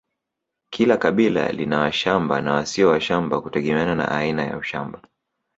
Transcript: Kila kabila lina washamba na wasio washamba kutegemeana na aina ya ushamba